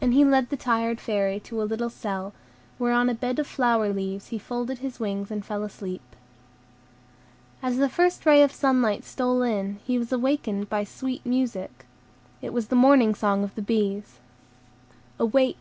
And he led the tired Fairy to a little cell, where on a bed of flower leaves he folded his wings and fell asleep. As the first ray of sunlight stole in, he was awakened by sweet music. It was the morning song of the bees. "Awake!